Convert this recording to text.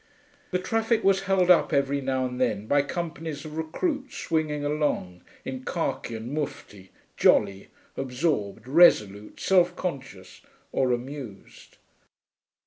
The traffic was held up every now and then by companies of recruits swinging along, in khaki and mufti, jolly, absorbed, resolute, self conscious, or amused.